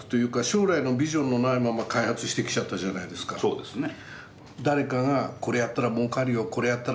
そうですね。